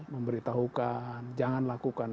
memberitahukan jangan lakukan